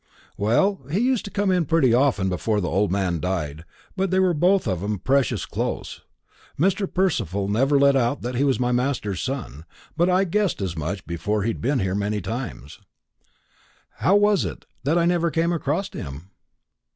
"Well, he used to come in pretty often before the old man died; but they were both of 'em precious close. Mr. Percival never let out that he was my master's son, but I guessed as much before he'd been here many times." "How was it that I never came across him?"